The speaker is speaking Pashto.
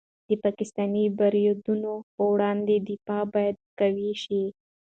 د پاکستاني بریدونو په وړاندې دفاع باید قوي شي.